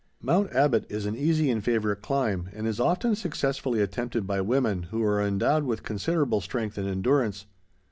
Mount Abbott is an easy and favorite climb, and is often successfully attempted by women who are endowed with considerable strength and endurance.